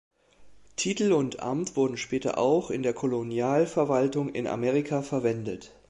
Titel und Amt wurden später auch in der Kolonialverwaltung in Amerika verwendet.